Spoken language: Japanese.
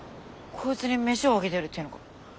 こいつに飯を分けてやるっていうのか？